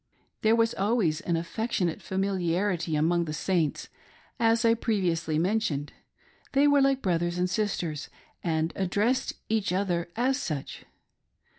There was always an affectionate familiarity among the Saints ; as I previously mentioned, they were like brothers and sisters, and addressed each other as such.